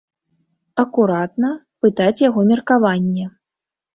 Акуратна, пытаць яго меркаванне.